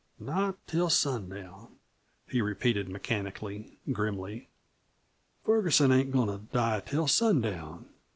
Not till sundown," he repeated mechanically, grimly; "Ferguson ain't goin' to die till sundown."